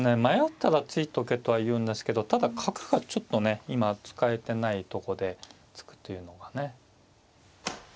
迷ったら突いとけとはいうんですけどただ角がちょっとね今使えてないとこで突くというのがね。